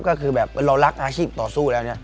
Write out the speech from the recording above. ก็คือแบบเรารักอาชีพต่อสู้แล้วเนี่ย